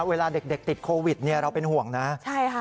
เวลาเด็กติดโควิดเนี่ยเราเป็นห่วงนะใช่ค่ะ